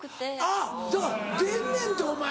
あっだから出んねんてお前